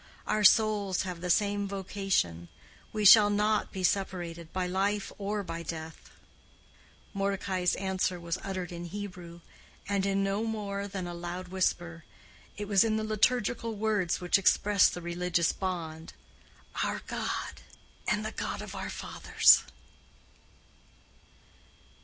Our souls have the same vocation. We shall not be separated by life or by death." Mordecai's answer was uttered in Hebrew, and in no more than a loud whisper. It was in the liturgical words which express the religious bond: "Our God and the God of our fathers."